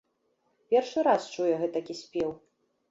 Першы раз чуе гэтакі спеў.